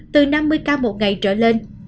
từ năm mươi ca một ngày trở lên